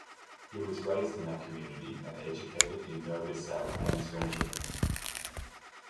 He was raised in that community and educated in Novi Sad and Zrenjanin.